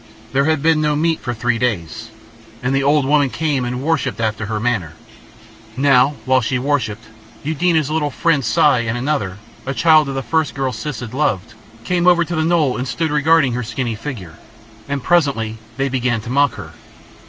There had been no meat for three days. And the old woman came and worshipped after her manner. Now while she worshipped, Eudena's little friend Si and another, the child of the first girl Siss had loved, came over the knoll and stood regarding her skinny figure, and presently they began to mock her.